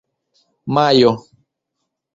majo